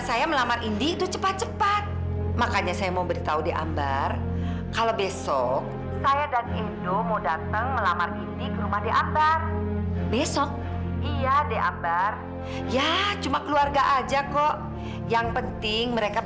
sampai jumpa di video selanjutnya